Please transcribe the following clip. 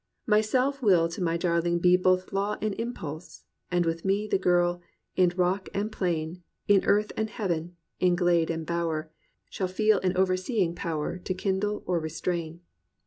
Myself will to my darling be Both law and impulse; and with me The Girl, in rock and plain. In earth and heaven, in glade and bower. Shall feel an overseeing power To kindle or restrain.